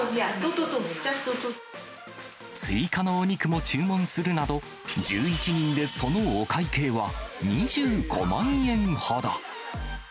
追加のお肉も注文するなど、１１人でそのお会計は２５万円ほど。